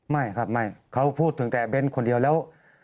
ไม่ครับไม่เขาพูดถึงแต่เบ้นคนเดียวแล้ว